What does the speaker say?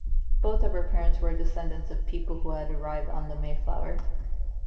Both of her parents were descendants of people who had arrived on the "Mayflower".